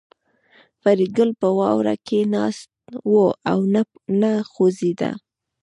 فریدګل په واوره کې ناست و او نه خوځېده